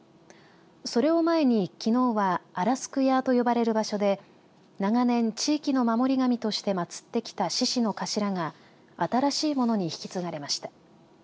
それを前に、きのうはアラスクヤーと呼ばれる場所で長年、地域の守り神として祭ってきた獅子の頭が新しいものに引き継がれました。